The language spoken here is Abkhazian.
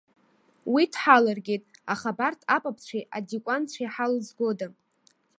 Уи дҳалыргеит, аха абарҭ апапцәеи адикәанцәеи ҳалзгода?